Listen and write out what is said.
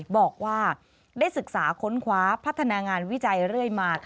บอกว่าได้ศึกษาค้นคว้าพัฒนางานวิจัยเรื่อยมา